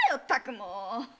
もう！